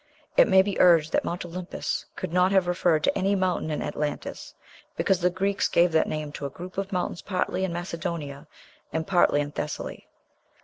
It may be urged that Mount Olympus could not have referred to any mountain in Atlantis, because the Greeks gave that name to a group of mountains partly in Macedonia and partly in Thessaly.